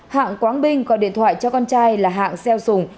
hạng quán binh gọi điện thoại cho con trai là hạng xeo sùng